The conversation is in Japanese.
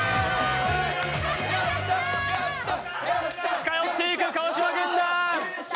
近寄っていく川島軍団！